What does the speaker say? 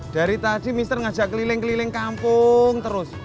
dari tadi mr ngajak keliling keliling kampung terus